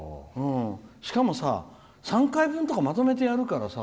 しかもさ、３回分とかまとめてやるからさ